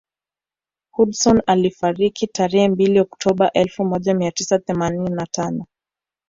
Hudson alifariki tarehe mbili Oktoba elfu moja mia tisa themanini na tano